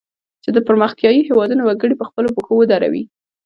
چې د پرمختیایي هیوادونو وګړي په خپلو پښو ودروي.